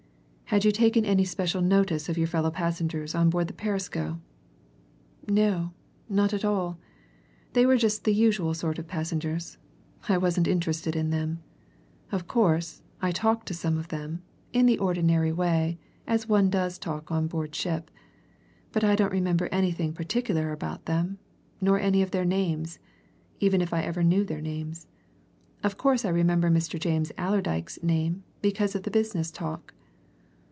"Had you taken any special notice of your fellow passengers on board the Perisco?" "No not at all. They were just the usual sort of passengers I wasn't interested in them. Of course, I talked to some of them, in the ordinary way, as one does talk on board ship. But I don't remember anything particular about them, nor any of their names, even if I ever knew their names. Of course I remember Mr. James Allerdyke's name, because of the business talk."